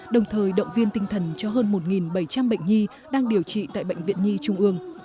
đồng thời động viên tinh thần cho hơn một bảy trăm linh bệnh nhi đang điều trị tại bệnh viện nhi trung ương